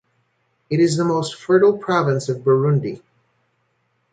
It is the most fertile province of Burundi.